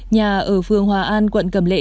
nhà ở phương hòa an quận cầm lệ